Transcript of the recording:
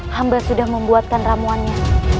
hamba sudah membuatkan ramuannya